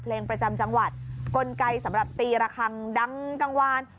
เพลงประจำจังหวัดกลไกสำหรับตีระคังดังกลางวาน